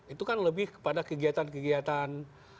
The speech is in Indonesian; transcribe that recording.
itu kan lebih kepada kegiatan kegiatan